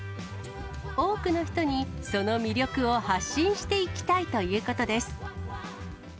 多くの人にその魅力を発信していきたいということです。